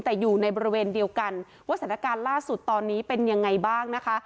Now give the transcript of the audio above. แต่อยู่ในบริเวณเดียวกันว่าสถานการณ์ล่าสุดตอนนี้เป็นยังไงบ้างนะคะ